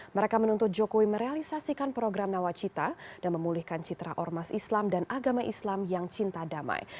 mereka menuntut jokowi merealisasikan program nawacita dan memulihkan citra ormas islam dan agama islam yang cinta damai